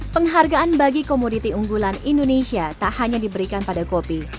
penghargaan bagi komoditi unggulan indonesia tak hanya diberikan pada kopi